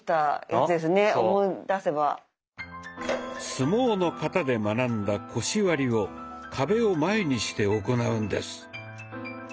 相撲の型で学んだ「腰割り」を壁を前にして行うんです。